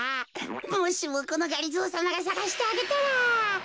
もしもこのがりぞーさまがさがしてあげたら。